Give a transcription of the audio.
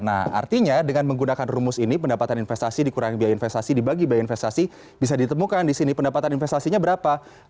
nah artinya dengan menggunakan rumus ini pendapatan investasi dikurangi biaya investasi dibagi biaya investasi bisa ditemukan di sini pendapatan investasinya berapa